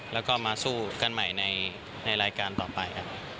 แล้วก็มาสู้กันใหม่ในรายการต่อไป